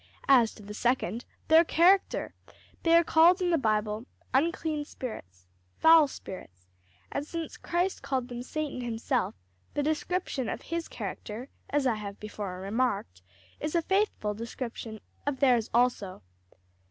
As to the second, their character, they are called in the Bible 'unclean spirits,' foul spirits; and since Christ called them Satan himself, the description of his character, as I have before remarked, is a faithful description of theirs also.